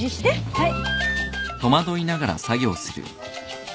はい。